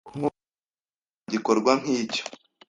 Nkuko mbizi, nta gikorwa nkicyo.